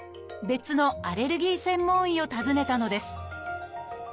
別のアレルギー専門医を訪ねたのです